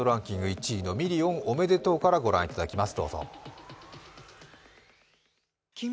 １位のミリオンおめでとうからご覧いただきます。